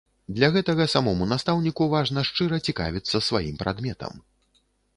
Для гэтага самому настаўніку важна шчыра цікавіцца сваім прадметам.